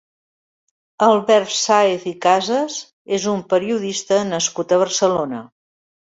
Albert Sáez i Casas és un periodista nascut a Barcelona.